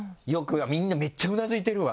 みんなめっちゃうなずいてるわ。